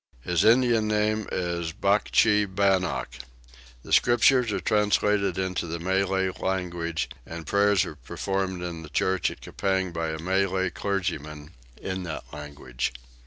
His Indian name is Bachee Bannock. The scriptures are translated into the Malay language and prayers are performed in the church at Coupang by a Malay clergyman, in that language.